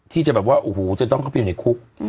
ที่จะแบบว่าโอ้โหจะต้องเข้าไปอยู่ในคุก